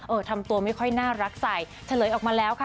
ทำตัวไม่ค่อยน่ารักใส่เฉลยออกมาแล้วค่ะ